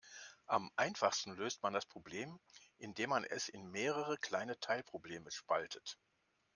Am einfachsten löst man das Problem, indem man es in mehrere kleine Teilprobleme spaltet.